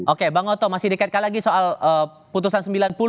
oke bang oto masih dekatkan lagi soal putusan sembilan puluh